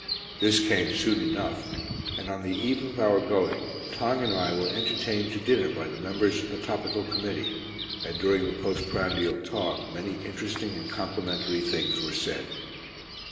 This came soon enough, and on the eve of our going Tong and I were entertained to dinner by the members of the Topical Committee, and during the post prandial talk many interesting and complimentary things were said.